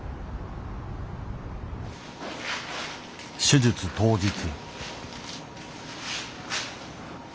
手術当日。